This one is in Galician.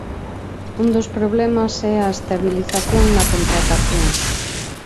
Un dos problemas é a estabilización na contratación.